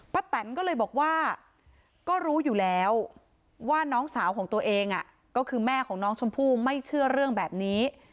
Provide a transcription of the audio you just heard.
แตนก็เลยบอกว่าก็รู้อยู่แล้วว่าน้องสาวของตัวเองก็คือแม่ของน้องชมพู่ไม่เชื่อเรื่องแบบนี้